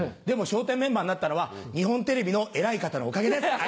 でも笑点メンバーになったのは日本テレビの偉い方のおかげです！